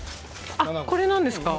これなんですか？